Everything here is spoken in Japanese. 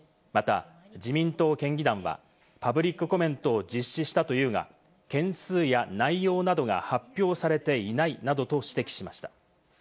また、自民党県議団はパブリックコメントを実施したというが、件数や内容などが発表されていないなどと指摘しました。